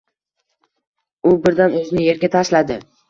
U birdan o’zini yerga tashladi…